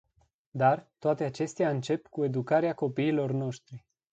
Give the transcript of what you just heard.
Dar, toate acestea încep cu educarea copiilor noștri.